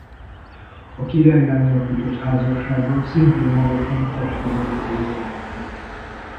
A királylánnyal kötött házassága szintén magasan testvérei fölé emelte.